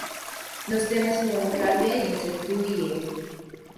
Los temas fueron "Rabia" y "Entre Tú y Él".